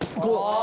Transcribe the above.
あ。